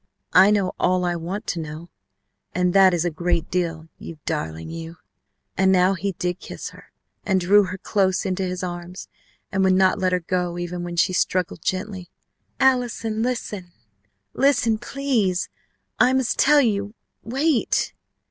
"I know all I want to know, and that is a great deal, you darling, you!" And now he did kiss her, and drew her close into his arms and would not let her go even when she struggled gently. "Allison, listen. Listen please! I must tell you! _Wait